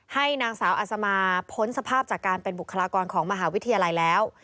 ให้นางสาวอัศมาพ้นสภาพจากการเป็นบุคลากรของมหาวิทยาลัยแล้ว